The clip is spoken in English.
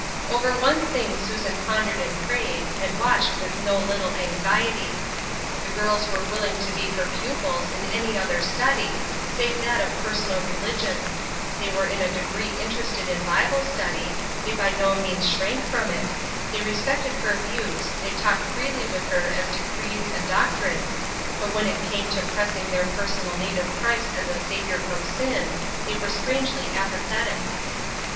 Over one thing Susan pondered and prayed, and watched with no Httle anxiety : the girls were willing to be her pupils in any other study save that of personal religion ; they were in a degree interested in Bible study; they by no means shrank from it ; they respected her views, they talked freely with her as to creeds and doc trines ; but when it came to pressing their per sonal need of Christ as a Saviour from sin, they were strangely apathetic.